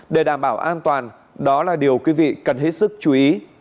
để đảm bảo an toàn đó là điều quý vị cần hết sức chú ý